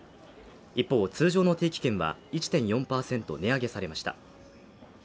一方通常の定期券は１．４％値上げされました。